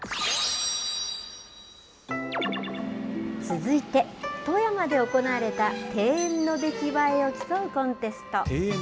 続いて、富山で行われた庭園の出来栄えを競うコンテスト。